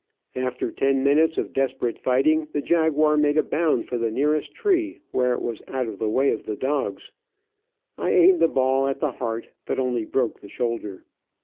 After ten minutes of desperate fighting the jaguar made a bound for the nearest tree, where it was out of the way of the dogs. I aimed a ball at the heart, but only broke the shoulder.